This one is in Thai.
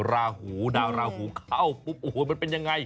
ราหูดาวราหูเข้ามันเป็นยังไง